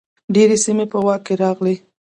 ډیرې سیمې په واک کې راغلې.